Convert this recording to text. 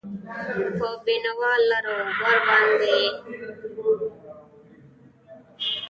په بینوا، لراوبر او تاند کې خپره کړه.